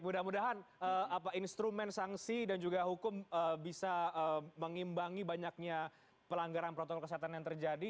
mudah mudahan instrumen sanksi dan juga hukum bisa mengimbangi banyaknya pelanggaran protokol kesehatan yang terjadi